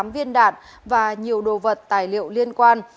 tám viên đạn và nhiều đồ vật tài liệu liên quan